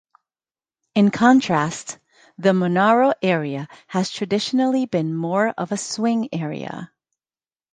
In contrast, the Monaro area has traditionally been more of a swing area.